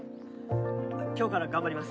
今日から頑張ります。